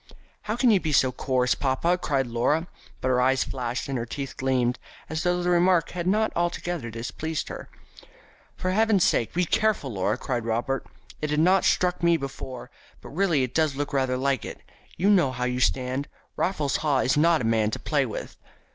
"How can you be so coarse, papa?" cried Laura, but her eyes flashed, and her teeth gleamed, as though the remark had not altogether displeased her. "For heaven's sake, be careful, Laura!" cried Robert. "It had not struck me before, but really it does look rather like it. You know how you stand. Raffles Haw is not a man to play with."